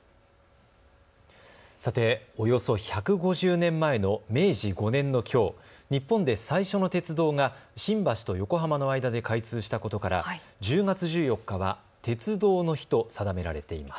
さて、およそ１５０年前の明治５年のきょう日本で最初の鉄道が新橋と横浜の間で開通したことから１０月１４日は鉄道の日と定められています。